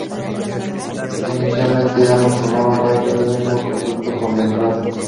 Inicialmente, ambos formaron parte de un mismo conjunto conventual.